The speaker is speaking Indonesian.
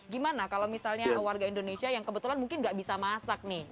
gimana kalau misalnya warga indonesia yang kebetulan mungkin nggak bisa masak nih